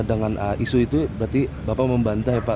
dengan isu itu berarti bapak membantah ya pak